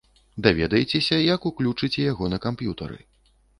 Даведаецеся, як уключыце яго на камп'ютары.